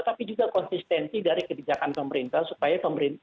tapi juga konsistensi dari kebijakan pemerintah